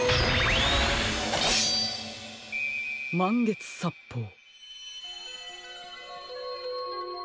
まんげつさっぽう。